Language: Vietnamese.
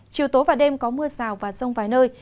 chiều tối và đêm có mưa rào và rông vài nơi